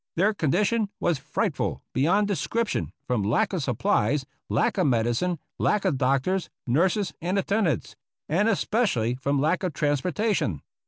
Their condition was frightful beyond description from lack of supplies, lack of medicine, lack of doctors, nurses, and attendants, and especially from lack of transportation.